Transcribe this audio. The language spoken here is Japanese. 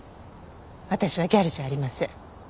私はギャルじゃありません。